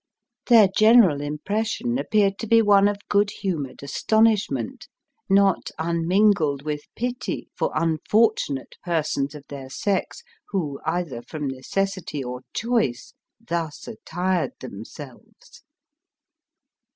Their general impression appeared to be one of good humoured astonishment, not unmingled with pity for unfortunate persons of their sex who, either from necessity or choice, thus attired themselves.